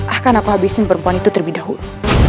akan apa habisin perempuan itu terlebih dahulu